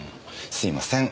すいません。